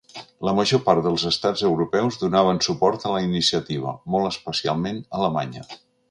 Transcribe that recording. La major part dels estats europeus donaven suport a la iniciativa, molt especialment Alemanya.